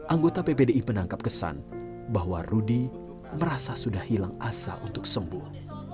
anggota ppdi menangkap kesan bahwa rudy merasa sudah hilang asa untuk sembuh